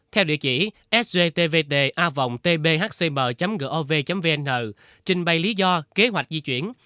theo địa chỉ sgtvtavongtbhcm gov vn trình bày lý do kế hoạch di chuyển